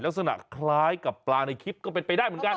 ลักษณะคล้ายกับปลาในคลิปก็เป็นไปได้เหมือนกัน